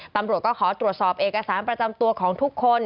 ตำรวจก็ขอตรวจสอบเอกสารประจำตัวของทุกคน